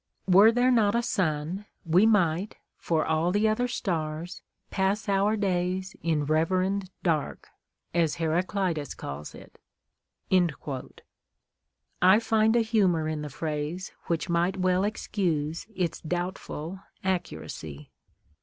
\Vere there not a sun, we might, for all the other stars, pass our days in Reverend Dark, as Heraclitus calls it." I find a humor in the phrase which might well excuse its doubtful accuracy.